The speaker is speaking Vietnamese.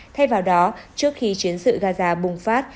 thay vào đó trước khi chiến sự gaza bùng phát